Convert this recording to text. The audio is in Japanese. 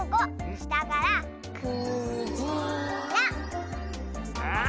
したからく・じ・ら！